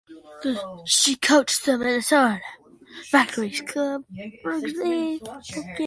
She coached the Minnesota Valkyries Rugby Football Club.